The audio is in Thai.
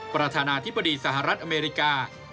ประธานาธิบดีสหรัฐอเมริกา